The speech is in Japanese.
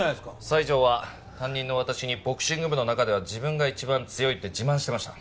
西条は担任の私にボクシング部の中では自分が一番強いって自慢してました。